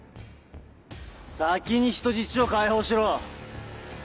先に人質を解放しろ。